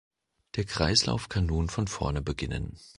Der Kreislauf kann nun von vorne beginnen.